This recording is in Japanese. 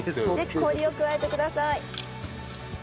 で氷を加えてください。